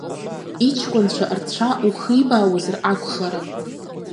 Иҷкәынцәа рцәа ухибаауазар акәхарын?